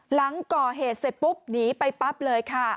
หลังก่อเหตุเสร็จปุ๊บหนีไปปั๊บเลยค่ะ